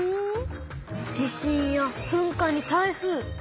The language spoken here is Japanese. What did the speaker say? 地震や噴火に台風。